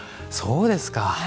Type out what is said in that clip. そうですか。